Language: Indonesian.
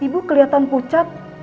ibu kelihatan pucat